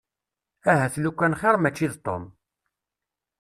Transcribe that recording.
Ahat lukan xir mačči d Tom.